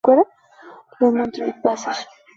Lemon Tree Passage